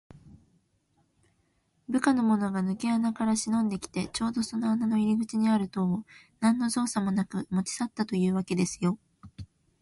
部下のものがぬけ穴からしのんできて、ちょうどその穴の入り口にある塔を、なんのぞうさもなく持ちさったというわけですよ。